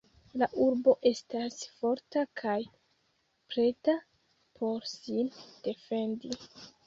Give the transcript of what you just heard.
La urbo estas forta kaj preta por sin defendi.